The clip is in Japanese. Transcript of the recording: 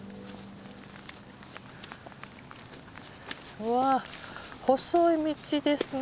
うわっ細い道ですね。